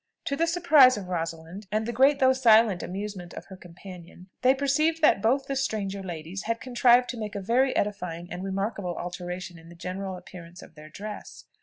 To the surprise of Rosalind, and the great though silent amusement of her companion, they perceived that both the stranger ladies had contrived to make a very edifying and remarkable alteration in the general appearance of their dress.